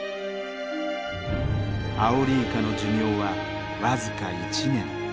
アオリイカの寿命はわずか１年。